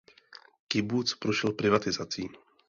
Kibuc prošel privatizací.